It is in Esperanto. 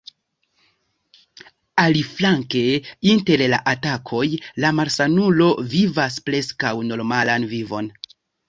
Aliflanke, inter la atakoj, la malsanulo vivas preskaŭ normalan vivon.